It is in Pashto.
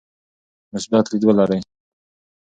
مثبت لید ولرئ.